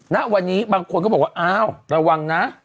ณวันนี้บางคนก็บอกว่าอ้าวระวังนะ